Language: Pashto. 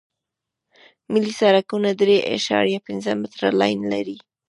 ملي سرکونه درې اعشاریه پنځه متره لاین لري